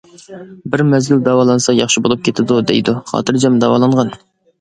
بىر مەزگىل داۋالانسا ياخشى بولۇپ كېتىدۇ دەيدۇ، خاتىرجەم داۋالانغىن.